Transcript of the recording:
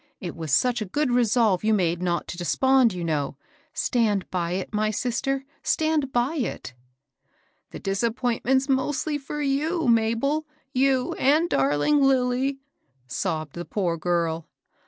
It was such a good resolve you made not to despond, you know ; stand by it, my sister, — stand by it 1 "" The disappointment's mostly for yow, Mabel, — you and darling Lilly," sobbed the poor girl.